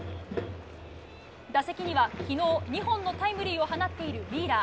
打席には昨日２本のタイムリーを放っているウィーラー。